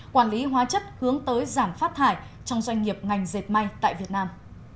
quản lý hóa chất hướng tới giảm phát thải trong doanh nghiệp ngành dệt may tại việt nam